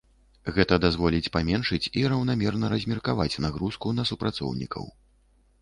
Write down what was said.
Гэта дазволіць паменшыць і раўнамерна размеркаваць нагрузку на супрацоўнікаў.